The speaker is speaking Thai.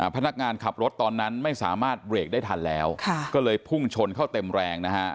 พนักงานขับรถตอนนั้นไม่สามารถเบรกได้ทันแล้วก็เลยพุ่งชนเข้าเต็มแรงนะฮะ